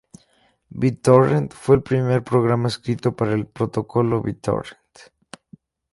BitTorrent fue el primer programa escrito para el protocolo BitTorrent.